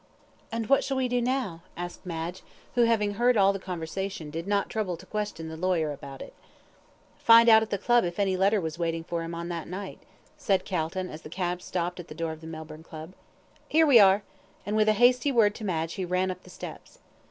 "And what shall we do now?" asked Madge, who, having heard all the conversation, did not trouble to question the lawyer about it. "Find out at the Club if any letter was waiting for him on that night," said Calton, as the cab stopped at the door of the Melbourne Club. "Here we are," and with a hasty word to Madge, he ran up the steps.